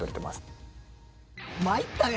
「参ったね」